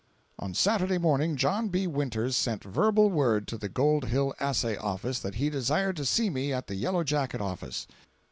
On Saturday morning John B. Winters sent verbal word to the Gold Hill Assay Office that he desired to see me at the Yellow Jacket office.